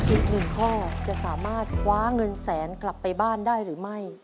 อีกหนึ่งข้อจะสามารถคว้าเงินแสนกลับไปบ้านได้หรือไม่